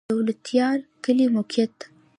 د دولتيار کلی موقعیت